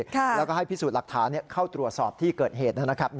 แล้วก็ให้พิสูจน์หลักฐานเข้าตรวจสอบที่เกิดเหตุนะครับ